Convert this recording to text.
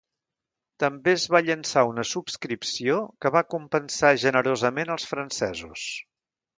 També es va llançar una subscripció que va compensar generosament als francesos.